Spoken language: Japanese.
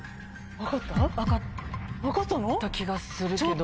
分かった気がするけど。